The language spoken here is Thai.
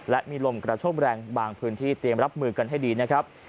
และมีลมกระโชคแรงบางพื้นที่เตรียมรับมือกันให้ดีนะครับ